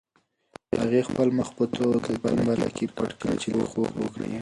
هغې خپل مخ په توده کمپله کې پټ کړ چې لږ خوب وکړي.